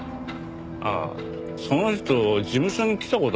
ああその人事務所に来た事あったよな。